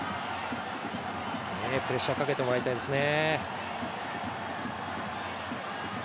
プレッシャーをかけてもらいたいですね。